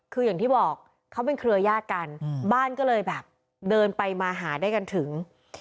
คืออย่างที่บอกเขาเป็นเครือยาศกันบ้านก็เลยแบบเดินไปมาหาได้กันถึง